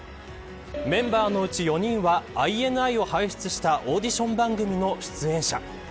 メンバーのうち４人はＩＮＩを輩出したオーディション番組の出演者。